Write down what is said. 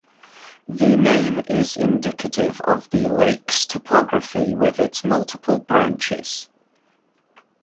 The name is indicative of the lake's topography with its multiple branches.